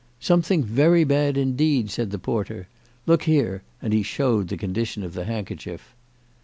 " Something very bad indeed," said the porter. " Look here," and he showed the condition of the handkerchief.